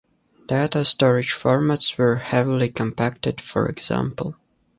Data storage formats were heavily compacted, for example.